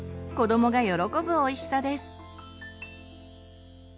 子どもが喜ぶおいしさです。